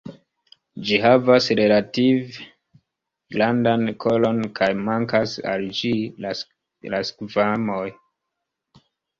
Ĝi havas relative grandan koron kaj mankas al ĝi la skvamoj.